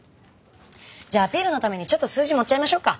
じゃあアピールのためにちょっと数字盛っちゃいましょうか。